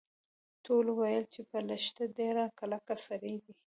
ټولو ویل چې په لښته ډیر کلک سړی دی.